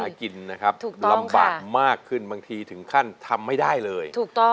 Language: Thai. ลำบากมากขึ้นบางทีถึงขั้นทำไม่ได้เลย